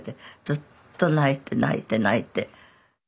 ずっと泣いて泣いて泣いて。